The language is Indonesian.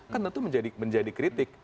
kan tentu menjadi kritik